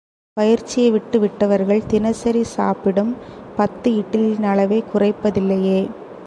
பயிற்சியை விட்டு விட்டவர்கள் தினசரி சாப்பிடும் பத்து இட்லியின் அளவைக் குறைப்பதில்லையே!